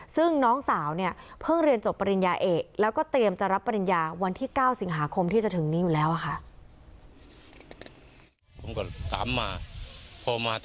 ซึ่งน้องสาวเนี่ยเพิ่งเรียนจบปริญญาเอกแล้วก็เตรียมจะรับปริญญาวันที่๙สิงหาคมที่จะถึงนี้อยู่แล้วค่ะ